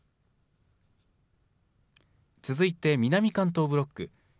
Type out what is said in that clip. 続いて南関東ブロック。